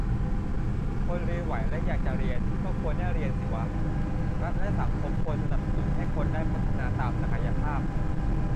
คนเรียนไหวและอยากจะเรียน ก็ควรได้เรียนสิวะ รัฐและสังคมควรสนับสนุนให้คนได้พัฒนาตามศักยภาพ